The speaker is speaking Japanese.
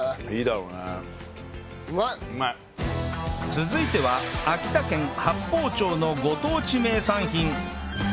続いては秋田県八峰町のご当地名産品